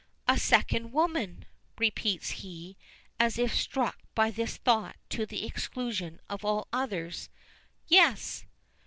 "A second woman!" repeats he, as if struck by this thought to the exclusion of all others. "Yes!"